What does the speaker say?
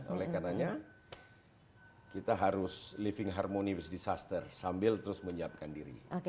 oleh karena kita harus living harmoni bus disaster sambil terus menyiapkan diri